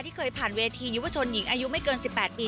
เคยผ่านเวทียุวชนหญิงอายุไม่เกิน๑๘ปี